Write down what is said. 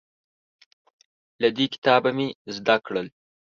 له دې کتابه مې زده کړل